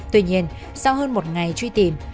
tuy nhiên sau hơn một ngày truy tìm